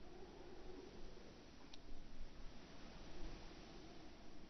El proyecto inicial fue encargado al arquitecto municipal de Alcoy, Juan Carbonell.